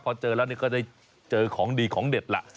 พอเจอแล้วก็ได้เจอของดีของเด็ดล่ะ